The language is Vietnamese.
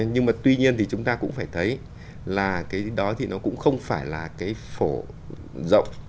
nhưng mà tuy nhiên thì chúng ta cũng phải thấy là cái đó thì nó cũng không phải là cái phổ rộng